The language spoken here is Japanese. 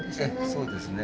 そうですね。